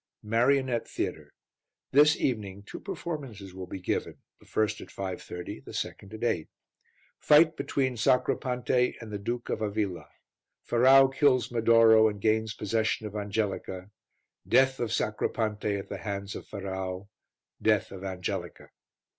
MARIONETTE THEATRE. This evening two performances will be given The first at 5.30, the second at 8 Fight between Sacripante and the Duke of Avilla Ferrau kills Medoro and gains possession of Angelica Death of Sacripante at the hands of Ferrau Death of Angelica.